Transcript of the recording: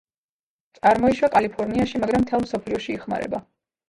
წარმოიშვა კალიფორნიაში, მაგრამ მთელ მსოფლიოში იხმარება.